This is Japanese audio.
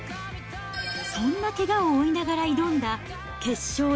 そんなけがを負いながら挑んだ決勝